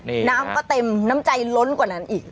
น้ำก็เต็มน้ำจ่ายล้นกว่านั้นอีก